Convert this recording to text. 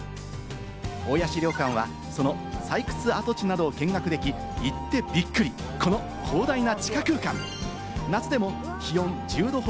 大谷資料館はその採掘跡地などを見学でき、行ってびっくり、この広大な地下空間！